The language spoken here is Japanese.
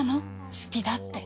好きだって。